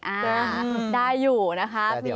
อ่าได้อยู่นะคะ